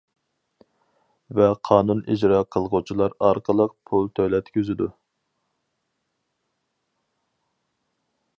ۋە قانۇن ئىجرا قىلغۇچىلار ئارقىلىق پۇل تۆلەتكۈزىدۇ.